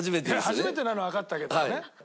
初めてなのはわかったけどね。